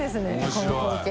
この光景。